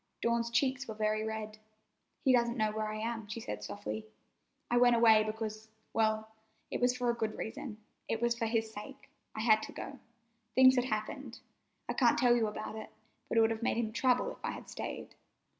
Dawn's cheeks were very red. "He doesn't know where I am," she said softly. "I went away because—well, it was for a good reason. It was for his sake. I had to go. Things had happened. I can't tell you about it, but it would have made him trouble if I had stayed."